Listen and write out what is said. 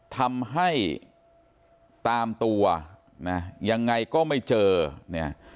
ทำให้ตามตัวนะยังไงก็ไม่เจอเนี่ย